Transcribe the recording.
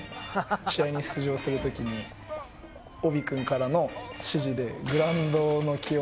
試合に出場する時にオビ君からの指示で。